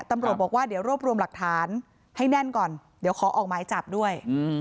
ตำรวจบอกว่าเดี๋ยวรวบรวมหลักฐานให้แน่นก่อนเดี๋ยวขอออกหมายจับด้วย